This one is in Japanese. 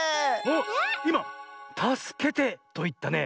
いま「たすけて」といったね。